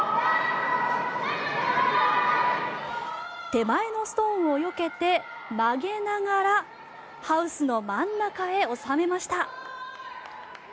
手前のストーンをよけて曲げながらハウスの真ん中へ収めました。